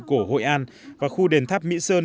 của hội an và khu đền tháp mỹ sơn